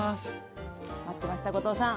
待ってました後藤さん！